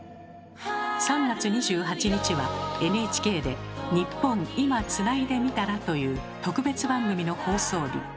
３月２８日はＮＨＫで「ニッポン『今』つないでみたら」という特別番組の放送日。